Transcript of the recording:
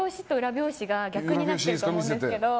表紙が逆になってると思うんですけど。